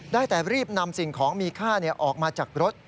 ได้แต่รีบนำสิ่งของมีค่าออกมาจากรถ